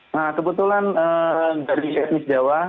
nah kebetulan dari etnis jawa